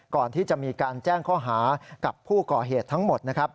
ก่อนที่จะมีการแจ้งข้อหากับผู้ก่อเหตุทั้งหมดนะครับ